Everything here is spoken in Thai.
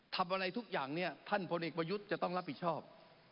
ทำอะไรทุกอย่างเนี่ยท่านพลเอกประยุทธ์จะต้องรับผิดชอบ